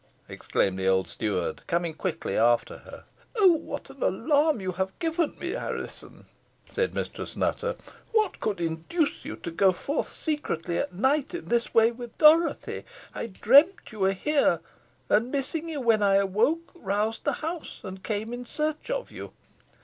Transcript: exclaimed the old steward, coming quickly after her. "Oh! what an alarm you have given me, Alizon," said Mistress Nutter. "What could induce you to go forth secretly at night in this way with Dorothy! I dreamed you were here, and missing you when I awoke, roused the house and came in search of you.